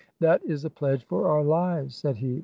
" That is a pledge for our lives," said he.